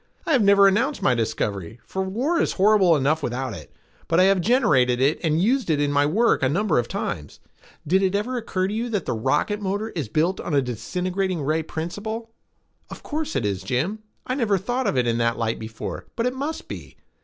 I have never announced my discovery, for war is horrible enough without it, but I have generated it and used it in my work a number of times. Did it never occur to you that the rocket motor is built on a disintegrating ray principle?" "Of course it is, Jim. I never thought of it in that light before, but it must be.